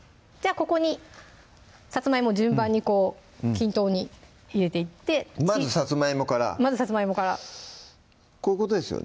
ここにさつまいも順番にこう均等に入れていってまずさつまいもからまずさつまいもからこういうことですよね